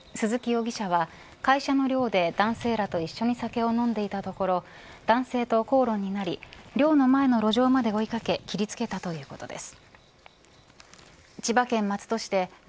鈴木容疑者は会社の寮で男性らと一緒に酒を飲んでいたところ男性と口論になり寮の前の路上まで追い掛け切りつけたということです。